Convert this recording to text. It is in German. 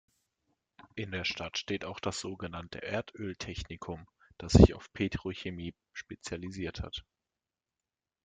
In der Stadt steht auch das sogenannte Erdöl-Technikum, das sich auf Petrochemie spezialisiert hat.